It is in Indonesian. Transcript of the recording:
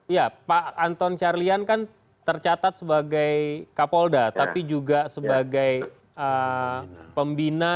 ya pak anton carlian kan tercatat sebagai kapolda tapi juga sebagai pembina